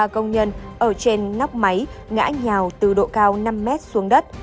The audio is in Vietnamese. ba công nhân ở trên nóc máy ngã nhào từ độ cao năm m xuống đất